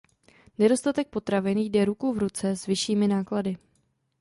Nedostatek potravin jde ruku v ruce s vyššími náklady.